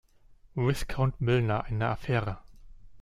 Viscount Milner eine Affäre.